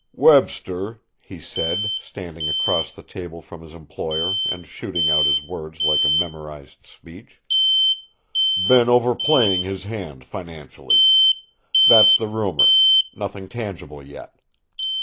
"Webster," he said, standing across the table from his employer and shooting out his words like a memorized speech, "been overplaying his hand financially. That's the rumour; nothing tangible yet.